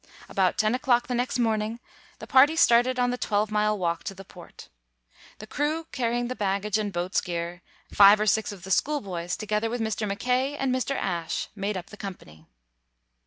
About ten o'clock the next morning, the party started on the twelve mile walk to the port. The crew carrying the baggage and boat's gear, five or six of the schoolboys together with Mr. Mackay and Mr. Ashe, made up the company.